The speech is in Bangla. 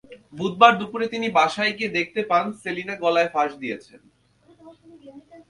বুধবার দুপুরে তিনি বাসায় গিয়ে দেখতে পান সেলিনা গলায় ফাঁস দিয়েছেন।